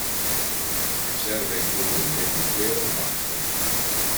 Serve il comune di Quero Vas.